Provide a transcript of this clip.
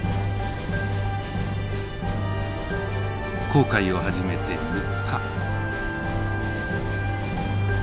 航海を始めて３日。